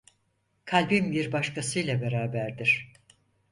Kalbim bir başkasıyla beraberdir.